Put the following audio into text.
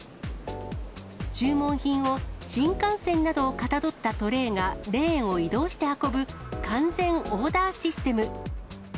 注文品を新幹線などをかたどったトレーが、レーンを移動して運ぶ完全オーダーシステム。